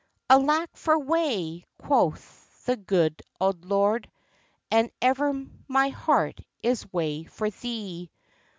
"Alack for wae!" quoth the gude auld lord, "And ever my heart is wae for thee!